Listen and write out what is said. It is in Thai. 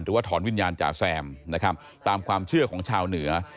ว่าถอนวิญญาณจ๋าแซมนะครับตามความเชื่อของชาวเหนือ